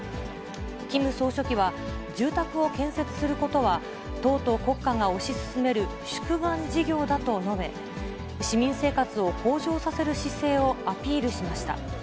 キム総書記は、住宅を建設することは、党と国家が推し進める宿願事業だと述べ、市民生活を向上させる姿勢をアピールしました。